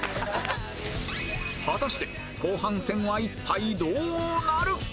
果たして後半戦は一体どうなる？